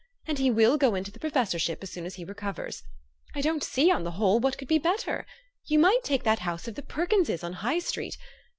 And he will go into the pro fessorship as soon as he recovers. I don't see, on the whole, what could be better. You might take that house of the Perkinses on High Street.